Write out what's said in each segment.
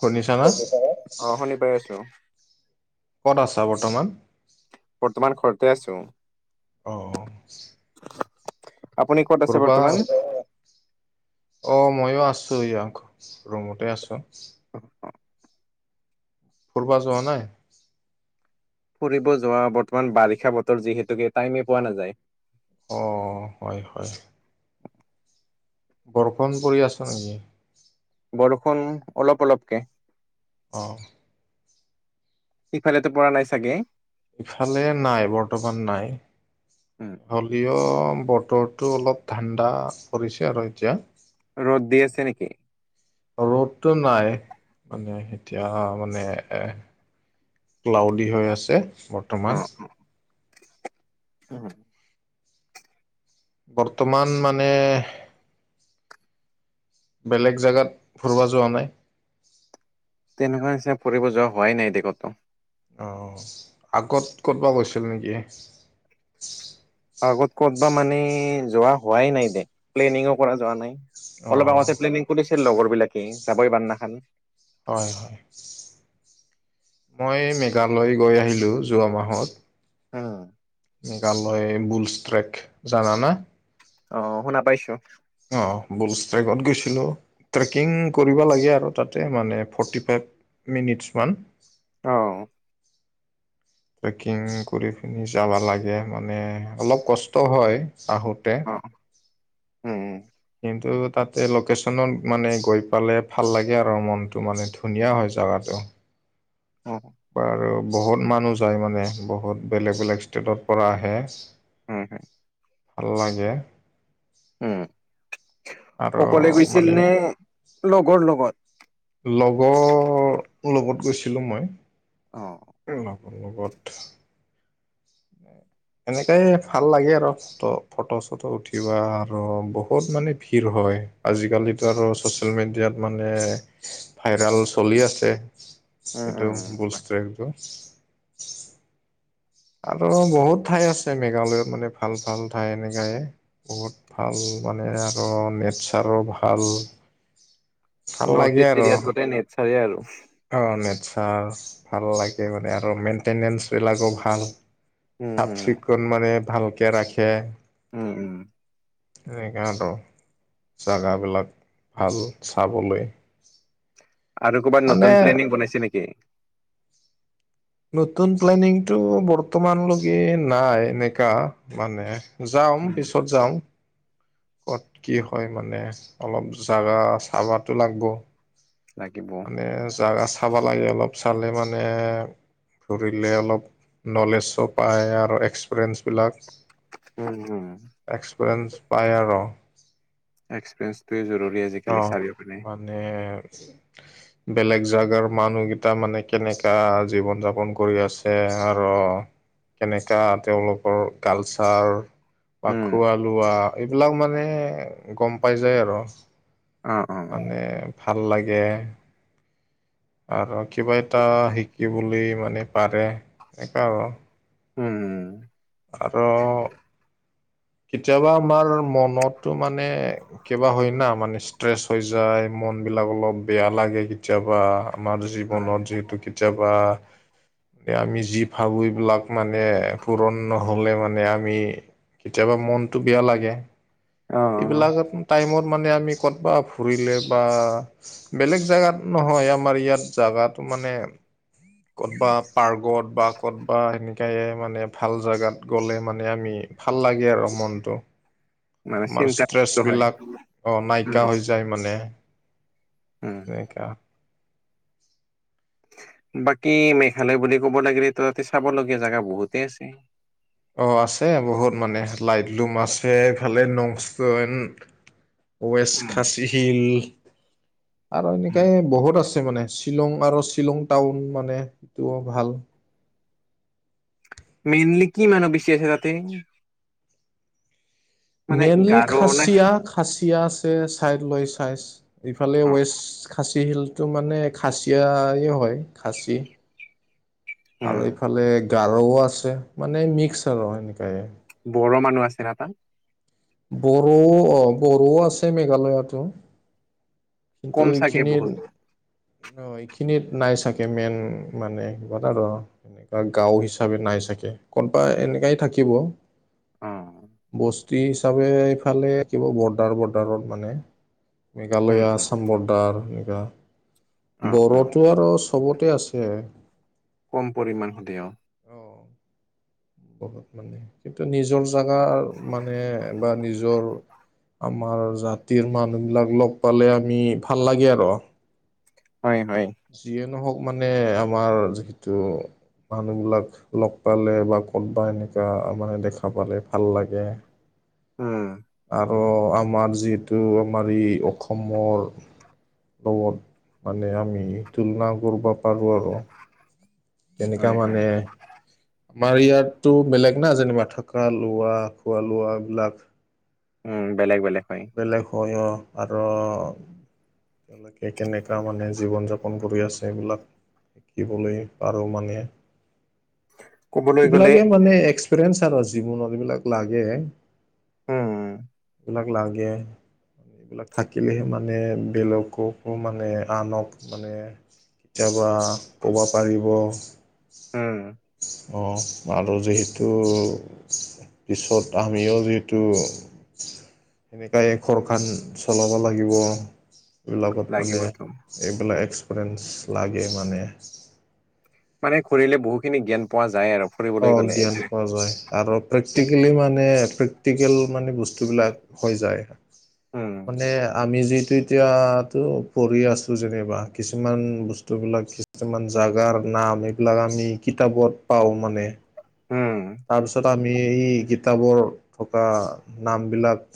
শুনিছা না? [inaudible] অ শুনি পাই আছো। ক'ত আছা বৰ্তমান? বৰ্তমান ঘৰতে আছোঁ। অঁ অঁ। [unintelligible] আপুনি ক'ত আছে কৰবা বৰ্তমান অ ময়ো আছোঁ এইয়া ৰুমতে আছোঁ। [inaudible] ফুৰিবা যোৱা নাই? ফুৰিব যোৱা বৰ্তমান বাৰিষা বতৰ যিহেতুকে টাইমে পোৱা নাযায়। অ হয়, হয়। বৰষূণ পৰি আছে নেকি? বৰষুণ অলপ অলপকে। অহ। ইফালেতো পৰা নাই চাগে? ইফালে নাই বৰ্তমান নাই, হল ইঅ বতৰটো অলপ ঠাণ্ডা কৰিছে আৰু এতিয়া। ৰ'দ দি আছে নেকি? ৰ'দতটো নাই মানে এতিয়া মানে এ ক্লাউডি হৈ আছে বৰ্তমান। উ। বৰ্তমান মানে বেলেগ জেগাত ফুৰিব যোৱা নাই? তেনেকুৱা নিচিনা ফুৰিব যোৱা হোৱাই নাই দে কতো। অ, আগত ক'তবা গৈছিল নিকি? আগত ক'তব মানে যোৱা হোৱাই নাই দে, প্লানিং কৰা যোৱা নাই। অলপ অঁ আগতে প্লেনিং কৰিছিল লগৰ বিলাকে যাবই বান নাখান। হয়, হয়, মই মেঘালয় গৈ আহিলোঁ যোৱা মাহত। হু মেঘালয় বোল ট্ৰেক জানা না? অ শুনা পাইছো। অ বোলট্ৰেকত গৈছিলোঁ। ট্ৰেকিং কৰিব লাগে আৰু তাতে মানে ফৰ্টি ফাইভ মিনিটছ মান। অঁ। ট্ৰেকিং কৰি পিনি যাবা লাগে মানে অলপ কষ্ট হয় আহোতে। অ উম কিন্তু তাতে লোকেশচনত মানে গৈ পালে ভাল লাগে আৰু মনতটো মানে। ধুনীয়া হয় জাগাটো। অ। বাৰু বহুত মানুহ যায় মানে বহুত বেলেগ বেলেগ ষ্টেটৰ পৰা আহে। [inaudible] ভাল লাগে। উম, আৰু অকলে গৈছিল মানে নে, লগৰ লগত? লগৰ লগত গৈছিলোঁ মই। অ'। এ লগৰ, লগত। এনেকাই ভাল লাগে আৰু। ত' ফটো চটো উঠিবা আৰু বহুত মানে ভিৰ হয়, আজিকালি আৰু ছচিয়েল মিডিয়াত মানে ভাইৰাল চলি আছে। উম, এইটো উম। বুলষ্ট্ৰেকটো। আৰু বহুত ঠাই আছে, মেঘালয়ত মানে ভাল, ভাল ঠাই এনেকাই। বহুত ভাল মানে, আৰু নেচাৰো ভাল। ভাল নৰ্থ লাগে ইষ্ট আৰু এৰিয়াত গোটেই নেচাৰেই আৰু অ', নেচাৰ ভাল লাগে মানে, আৰু মেইণ্টেনেন্স বিলাকো ভাল। উম, চাফ হম, চিকুণ মানে ভালকে ৰাখে। উম, উম। সেনেকা আৰু জাগাবিলাক ভাল চাবলে আৰু ক'ৰবাত নতুন প্লেনিং বনাইছে নেকি? নতুন প্লেনিংটো বৰ্তমানলৈকে নাই এনেকা মানে যাম উম, পিছত যাম। ক'ত কি হয়, মানে, অলপ জাগা চাবাতো লাগব' লাগিব মানে জাগা চাব লাগে, অলপ চালে মানে ধৰিলে অলপ নলেজো পায়, আৰু এক্সপিৰিয়েঞ্চ বিলাক উম, হুম এক্সপেৰিয়েঞ্চ পায় আৰু। এক্সপেৰিঞ্চটো জৰুৰী আ অ', মানে বেলেগ জাগাৰ মানুহকেইটা মানে কেনেকা জীৱন যাপন কৰি আছে আৰু। কেনেকা তেওঁলোকৰ কালচাৰ। বা উম, খোৱা লোৱা এইবিলাক মানে গম পাই যায় আৰু। অ', অ', মানে ভাল লাগে। আৰু কিবা এটা শিকিবলে মানে পাৰে সেনেকা আৰু। উম, আৰু কেতিয়াবা আমাৰ মনতো মানে কিবা হয় না মানে ষ্ট্ৰেচ হৈ যায় মন বিলাক অলপ বেয়া লাগে কেতিয়াবা। আমাৰ জীৱনত যিহেতু কেতিয়াবা এ আমি যি ভাবো এইবিলাক মানে পুৰণ নহবলে মানে আমি কেতিয়াবা মনটো বেয়া লাগে। অ', এইবিলাক টাইমত মানে আমি ক'তবাত ফুৰিলে বা বেলেগ জাগাত নহয় আমাৰ ইয়াত জাগাটো মানে ক'তবা পাৰ্গত, বা ক'তবা সেনেকায়ে মানে। ভাল জেগাত গ'লে মানে আমি ভাল লাগে আৰু মনটো। মানে আমাৰ চিন্তাত ষ্ট্ৰেচ হয় বিলাক অ', উম, নাইকািয় হৈ যায় মানে, উম। এনেকা বাকী মেঘালয় বুলি ক'ব লাগিলে ত' তাতে চাব লগীয়া জেগা বহুতেই আছে। অ, আছে বহুত মানে, লাইট লুম মাছে খালে নস্ত, হয় ন। ৱেষ্ট উম, খাচী হিল, আৰু উম, এনেকাই বহুত আছে। ছে, মানে শ্বিলং আৰু শ্বিলং টাউন মানে, এইটো ভাল। মেইনলি কি মানুহ বেছি আছে তাতে? মানে মেইনলী গাৰো নে? খাচিয়া। খাচিয়া আছে, চাইড লৈ চাইচ, ইফালে ৱেষ্ট খাচ তিলটো, মানে খাচিয়াই হয় খাচী। আৰু উম। এইফালে গাৰৌও আছে, মানে মিক্স আৰু সেনেকাই। বড়ো মানুহ আছে নে, তাত? বড়ো অ, বড়োও আছে, মেঘালয়তো। কিন্তু কম চাগে এইখিনিত বহুত এইখিনিত নাই চাগে, মেইন মানে গদা, দৰ বা গাঁও হিচাপে নাই চাগে, ক'ত বা এনেকাই থাকিব। অ বস্তি হিচাপে, এইফালে দিব বৰ্ডাৰ, বৰ্ডাৰত, মানে। উম মেঘালয়া উম আছাম, বৰ্দাৰ এনেকা, অ অ বড়োত। তো, আৰু চবতে আছে। কম পৰিমাণ, তেওঁ। অ কিন্তু নিজৰ, জেগা মানে বা নিজৰ। আমাৰ জাতিৰ মানুহবিলাক লগ পালে, আমি ভাল লাগে আৰু। হয়, হয়। যিয়ে নহওঁক মানে, আমাৰ যিহেতু মানুহবিলাক লগ পালে বা ক'তবা এনেকুৱা, মানে দেখা পালে ভাল লাগে। উম, আৰু আমাৰ যিহেতু, আমাৰ এই অসমৰ। লগত মানে, আমি তুলনা কৰিব পাৰোঁ আৰু। তেনেকা হয় হয় মানে আমাৰ ইয়াতো বেলেগ না, যেনিবা থাকা লোৱা, খোৱা, লোৱা, বিলাক। উম, বেলেগ বেলেগ হয়। বেলেগ হয়, অ, আৰু তেওঁলোকে কেনেকুৱা মানে, জীৱন-যাপন কৰি আছে এইবিলাক। শিকিবলৈ, পাৰোঁ মানে। ক'বলৈ গ'লে এইবিলাকে মানে এক্সপেৰিয়েন্ঞ্চ আৰু জীৱনত এইবিলাক লাগে। উম এইবিলাক লাগে। এইবিলাক থাকিলেহে মানে, বেলেগকো মানে আনক মানে কেতিয়াবা ক'ব পাৰিব। উম, অ, আৰু যিহেতু পিছত, আমিও যিহেতু সেনেকাই ঘৰখনা চলাব লাগিব। এইবিলাকত মানে, লাগিবতো এইবিলাক এক্সপেৰিয়েঞ্চ লাগে মানে। মানে ঘুৰিলে বহু খিনি জ্ঞান পোৱা যায় আৰু। অ, ফুৰিবলৈ গ'লে জ্ঞান যে পোৱা যায়। আৰু যে প্ৰেক্টিকেলি মানে, প্ৰেক্টিকেল মানে বস্তুবিলাক হৈ যায়। উম মানে আমি, যিটো এতিয়াতো পঢ়ি আছো যেনিবা, কিছুমান বস্তুবিলাক কিছুমান জাগাৰ নাম। [unintelligible] আমি কিতাপত পাওঁ মানে। উম। তাৰপিছত আমি এই কিতাপৰ থকা নামবিলাক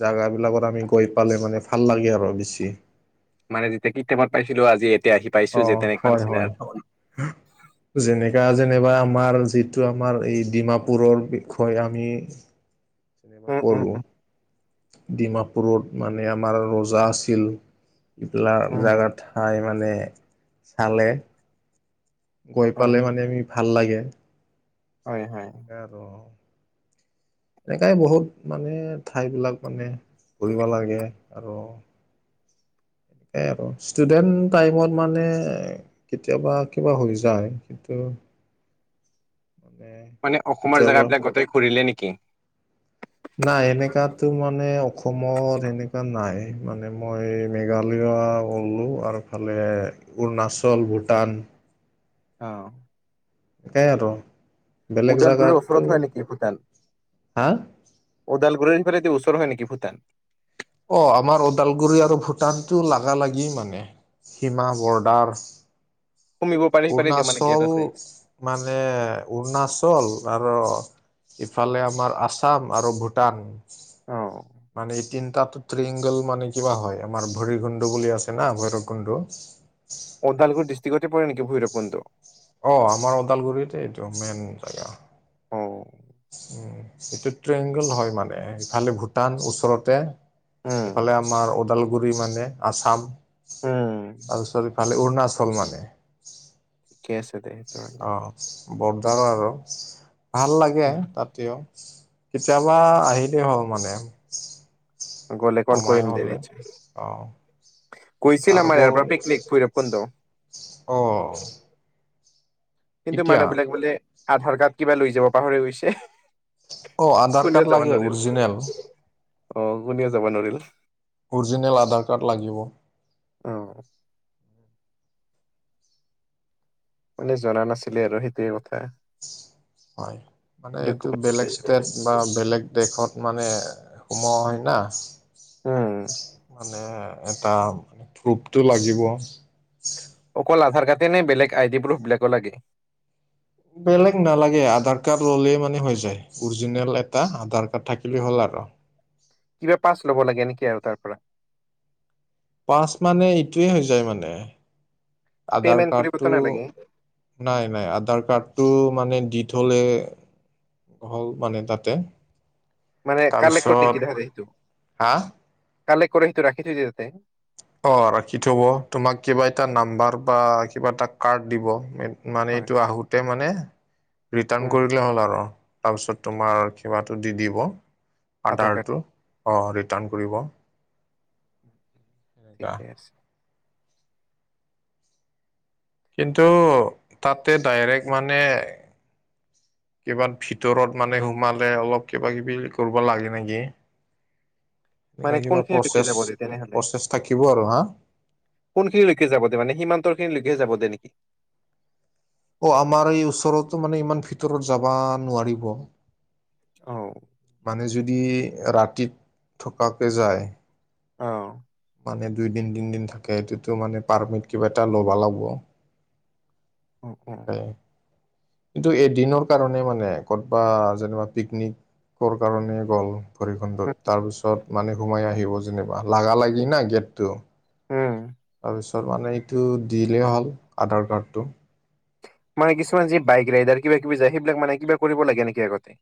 জেগাবিলাকত আমি গৈ পালে, মানে ভাল লাগে আৰু বেছি। মানে যেতিয়া কি টাইমত পাইছিলোঁ, আজি এতিয়া আহি অ পাইছোঁ যে তেনেকুৱা হয় নিচিনা। হয় [inaudible] যেনেকা যেনিবা আমাৰ যিটো আমাৰ এই ডিমাপুৰৰ বিষয় আমি উম উম কৰোঁ, ডিমাপুৰত মানে আমাৰ ৰজা আছিল। [unintelligible] উম জাগা, ঠাই মানে চালে গৈ হয় পালে মানে আমি ভাল লাগে। হয়, হয়। এনেকা আৰু এনেকাই বহুত মানে ঠাইবিলাক মানে ফুৰিব লাগে আৰু। এই ষ্টুডেণ্ট টাইমত মানে কেতিয়াবা কিবা হৈ যায়, কিন্তু উম। মানে অসমৰ জেগাবিলাক গোটই ঘূৰিলে নেকি? নাই, এনেকাতো মানে অসমত এনেকা নাই, মানে মই মেঘালয় [unintelligible] আৰু এইফালে অৰুণাচল ভূটান। অ'। তাকে আৰু। বেলেগ উদালগুৰিৰ ওচৰত জেগাতো, হয় নেকি হা'! ওদালগুৰি পৰাদি ওচৰ হয়, নেকি ভূটান? অ', আমাৰ ওদালগুৰি আৰু ভূটানটো লাগা- লাগি মানে, সীমা বৰ্ডাৰ। সুমিব পাৰে সিফালে দিয়ে মানে গেট অৰুণাচল আছে। মানে, অৰুণাচল আৰু ইফালে আমাৰ আচাম আৰু ভূটান, অ' মানে এই তিনটাটো ত্ৰিংগল মানে কিবা হয়, আমাৰ ভৈৰৱকুণ্ড বুলি আছে না, ভৈৰৱকুণ্ড। ওদালগুৰি ডিষ্টিকতে পৰে নেকি ভৈৰৱকুণ্ড? অ', আমাৰ ওদালগুৰিতে এইটো মেইন জেগা। অ'। উম, এইটো ত্ৰিংগল হয়, মানে ইফালে ভূটান ওচৰতে। উম, এইফালে আমাৰ ওদালগুৰি মানে আছাম। উম, আৰু চাৰিওফালে অৰুণাচল মানে। ঠিকে আছে দে। তেনেহ'লে। অ', বৰ্দাৰো আৰু। ভাল লাগে তাত এ, কেতিয়াবা আহিলেই হ'ল মানে। গ'লে কল সময় কৰিম দে হ'লে নিশ্চয়। অ', গৈছিল আমাৰ ইয়াৰ পৰা [unintelligible] পিকনিক ভৈৰৱকুণ্ড। অ'। কিন্তু কেতিয়া মানুহবিলাক বোলে আধাৰ কাৰ্ড কিবা লৈ যাব পাহৰি গৈছে। অ', আধাৰ কোনেও কাৰ্ড যাব লাগে নোৱাৰিল। অ'ৰজিনেল। অ', কোনেও যাবা নোৱাৰিল। অ'ৰজিনেল আধাৰ কাৰ্ড লাগিব। অ' মানে জনা নাছিলে আৰু সেইটোৱে কথা। হয়, মানে এইটো ডকুমেণ্টছ বেলেগ লৈ যাব। ষ্টেট। বা বেলেগ দেশত মানে সোমোৱা হয়, না। উম। মানে এটা প্ৰুফটো লাগিব। অকল আধাৰ কাৰ্ডেনে বেলেগ আই ডি প্ৰুফ বিলাকো লাগে? বেলেগ নালাগে আধাৰ কাৰ্ড ল'লে মানে হৈ যায়। অৰিজিনেল এটা আধাৰ কাৰ্ড থাকিলেই হ'ল আৰু। কিবা পাছ ল'ব লাগে নেকি আৰু তাৰ পৰা? পাচ মানে এইটোৱে হৈ যায় মানে, আধাৰ পে'মেণ্ট কৰিবতো কাৰ্ডটো নালাগে নাই নাই আধাৰ কাৰ্ডটো মানে দি থ'লে হ'ল মানে তাতে। মানে কালেক্ট কৰি তাৰপিছত নেকি তাহাতে সেইটো, হা কালেক্ট কৰি সেইটো ৰাখি থৈ দিয়ে তাতে। অ' ৰাখি থ'ব তোমাক কিবা এটা নাম্বাৰ বা কিবা এটা কাৰ্ড দিব মানে হয় এইটো আহোতে মানে ৰিটাৰ্ণ উম কৰিলে হ'ল আৰু। তাৰপিছত তোমাৰ কিবাটো দি দিব, আধাৰ কাৰ্ড আৰ্ডাৰটো অ' ৰিটাৰ্ণ কৰিব। এনেকা। ঠিকে আছে। কিন্তু, তাতে ডাইৰেক্ট মানে কিবাত ভিতৰত মানে সোমালে অলপ কিবা কিবি কৰিব লাগে নেকি? মানে এনে কিবা কোনখিনিলৈকে যাব দে প্ৰচেছ, তেনেহলে প্ৰচেছ থাকিব আৰু হা কোনখিনিলৈকে যাব দে মানে সীমান্তৰিনিলকে যাব দে নেকি? অ' আমাৰ এই ওচৰতো মানে ইমান ভিতৰত যাবা নোৱাৰিব। অ মানে যদি ৰাতি থকাকে যায়। অ'। মানে দুই দিন তিন দিন থাকে সেইটোতো মানে পাৰ্মিট কিবা এটা ল'বা লাগব। অ অ [unintelligible] কিন্তু এদিনৰ কাৰণে মানে ক'তবা যেনিবা পিকনিকৰ কাৰণে গ'ল ভৰি খুণ্ডত তাৰপিছত মানে সোমাই আহিব যেনিবা লাগা লাগি না গেটটো। উম। তাৰপিছত মানে এইটো দিলেই হ'ল আধাৰ কাৰ্ডটো। মানে কিছুমান যি বাইক ৰাইডাৰ কিবা কিবি যায় সেইবিলাক মানে কিবা কৰিব লাগে নেকি আগতে?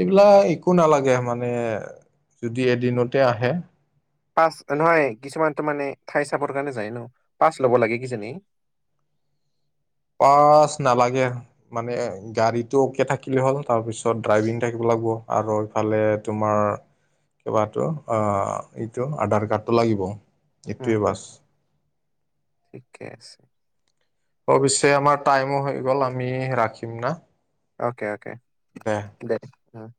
এইবিলাক একো নালাগে মানে, যদি এদিনতে আহে। পাচ নহয় কিছুমানতো মানে ঠাই চাবৰ কাৰণে যায় ন' পাচ ল'ব লাগে কিজানি? পাচ নালাগে। মানে গাড়ীটো অকে থাকিলে হ'ল তাৰপিছত ড্ৰাইভিং থাকিব লাগিব আৰু ফালে তোমাৰ কিবাটো অ' এইটো আধাৰ কাৰ্ডটো লাগিব। উম এইটোৱে উম, বাচ। ঠিকে আছে। অৱশ্যে আমাৰ টাইমো হৈ গ'ল আমি ৰাখিম না? অ'কে অ'কে দে [unintelligible]